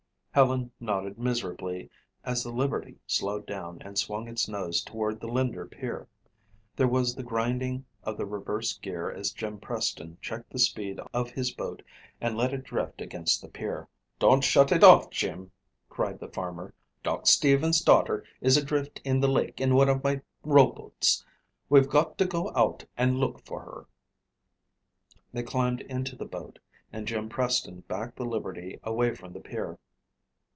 Helen nodded miserably as the Liberty slowed down and swung its nose toward the Linder pier. There was the grinding of the reverse gear as Jim Preston checked the speed of his boat and left it drift against the pier. "Don't shut it off, Jim," cried the farmer. "Doc Stevens' daughter is adrift in the lake in one of my rowboats. We've got to go out and look for her." They climbed into the boat and Jim Preston backed the Liberty away from the pier.